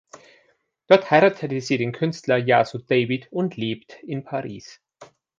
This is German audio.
Dort heiratete sie den Künstler Yasu David und lebt in Paris.